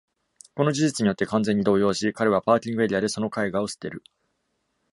この事実によって完全に動揺をし、彼はパーキングエリアでその絵画を捨てる。